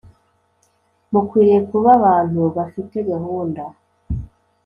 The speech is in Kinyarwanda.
mukwiriye kuba abantu bafite gahunda